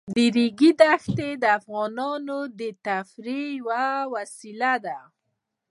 د ریګ دښتې د افغانانو د تفریح یوه وسیله ده.